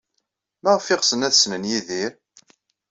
Maɣef ay ɣsen ad ssnen Yidir?